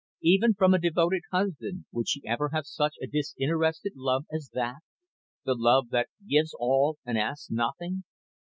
Even from a devoted husband, would she ever have such a disinterested love as that? the love that gives all and asks nothing.